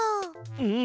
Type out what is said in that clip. うん。